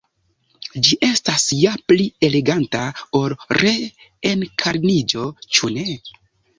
Ĝi estas ja pli eleganta ol reenkarniĝo, ĉu ne?